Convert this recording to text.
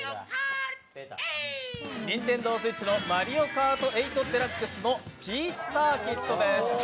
ＮｉｎｔｅｎｄｏＳｗｉｔｃｈの「マリオカート８デラックス」のピーチサーキットです。